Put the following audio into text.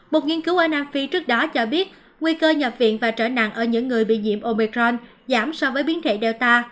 một nghiên cứu ở nam phi trước đó cho biết nguy cơ nhập viện và trở nặng ở những người bị nhiễm omicron giảm so với biến thể data